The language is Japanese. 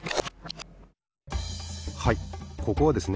はいここはですね